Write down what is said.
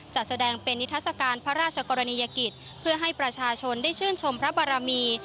จัดแสดงเป็นนิทัศกาลพระราชกรณียกิจเพื่อให้ประชาชนได้ชื่นชมพระบารมี